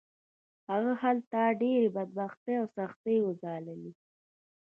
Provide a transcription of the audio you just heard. هغه هلته ډېرې بدبختۍ او سختۍ وګاللې